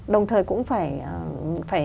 đồng thời cũng phải